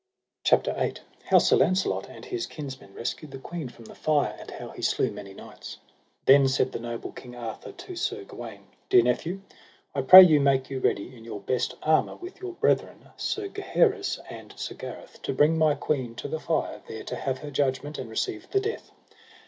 CHAPTER VIII. How Sir Launcelot and his kinsmen rescued the queen from the fire, and how he slew many knights. Then said the noble King Arthur to Sir Gawaine: Dear nephew, I pray you make you ready in your best armour, with your brethren, Sir Gaheris and Sir Gareth, to bring my queen to the fire, there to have her judgment and receive the death.